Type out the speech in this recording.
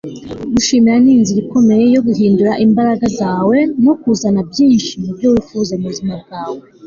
gushimira ni inzira ikomeye yo guhindura imbaraga zawe no kuzana byinshi mubyo wifuza mubuzima bwawe